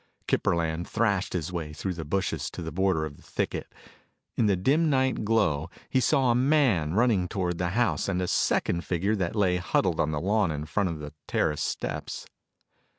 Kip Burland thrashed his way through the bushes to the border of the thicket. In the dim night glow, he saw a man running toward the house and a second figure that lay huddled on the lawn in front of the terrace steps.